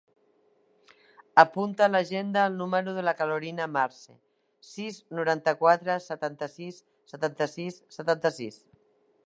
Apunta a l'agenda el número de la Carolina Marce: sis, noranta-quatre, setanta-sis, setanta-sis, setanta-sis.